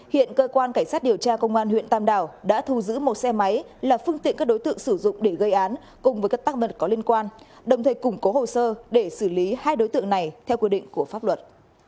hiện cơ quan cảnh sát điều tra công an huyện tam đảo đã thu giữ một xe máy là phương tiện các đối tượng sử dụng để gây án cùng với các tăng vật có liên quan đồng thời củng cố hồ sơ để xử lý hai đối tượng này theo quy định của pháp luật